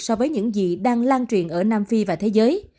so với những gì đang lan truyền ở nam phi và thế giới